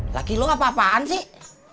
laki lu gak apa apaan sih